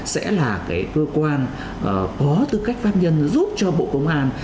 sẽ là cái cơ quan có tư cách pháp nhân giúp cho bộ công an